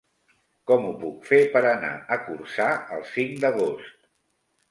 Com ho puc fer per anar a Corçà el cinc d'agost?